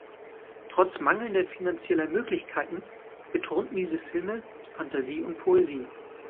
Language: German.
Trotz mangelnder finanzieller Möglichkeiten betonten diese Filme Fantasie und Poesie.